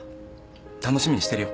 楽しみにしてるよ。